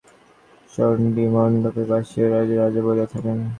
পীতাম্বর আপনার পুরাতন চণ্ডীমণ্ডপে বসিয়া আপনাকে রাজা বলিয়া থাকেন।